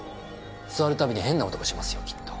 座るたびに変な音がしますよきっと。